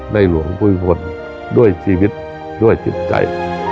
หลวงภูมิพลด้วยชีวิตด้วยจิตใจ